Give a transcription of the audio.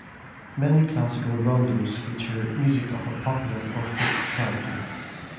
Many classical rondos feature music of a popular or folk character.